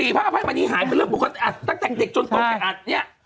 ปีพระอภัยมันนี่หายมันเริ่มบุคคลอัดตั้งแต่เด็กจนตกอัดเนี่ย